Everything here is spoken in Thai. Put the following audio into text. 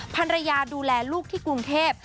ภรรยาดูแลลูกที่กรุงเทพ